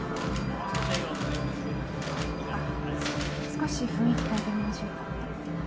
少し雰囲気変えてみましょうか。